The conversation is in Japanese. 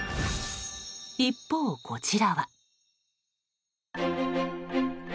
一方、こちらは。